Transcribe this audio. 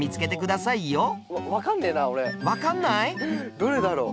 どれだろう？